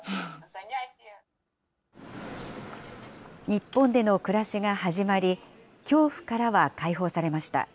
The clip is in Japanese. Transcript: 日本での暮らしが始まり、恐怖からは解放されました。